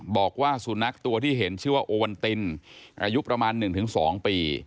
บอกว่าสุนัขตัวที่เห็นชื่อว่าโอวันตินอายุประมาณ๑๒ปี